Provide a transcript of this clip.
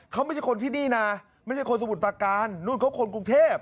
เขาไม่ใช่คนที่นี่นะไม่ใช่คนสมุทรประการนู่นเขาคนกรุงเทพ